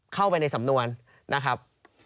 เข้าไปในสำนวนนะครับ